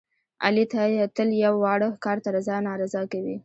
علي تل یوه واړه کار ته رضا نارضا کوي.